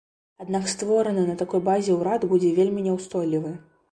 Аднак створаны на такой базе ўрад будзе вельмі няўстойлівы.